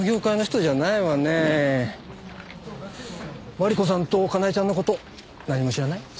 万里子さんとかなえちゃんの事何も知らない？